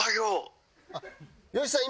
よしさん